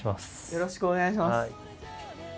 よろしくお願いします。